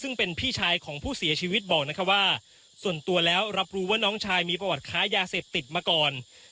ซึ่งเป็นพี่ชายของผู้เสียชีวิตบอกนะคะว่าส่วนตัวแล้วรับรู้ว่าน้องชายมีประวัติค้ายาเสพติดมาก่อน